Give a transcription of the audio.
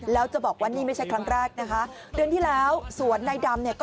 แล้วจะบอกว่านี่ไม่ใช่ครั้งแรกนะคะเดือนที่แล้วสวนนายดำเนี่ย